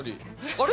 あれ？